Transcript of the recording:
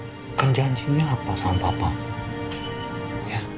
gak perlu mikirin janjinya sama papa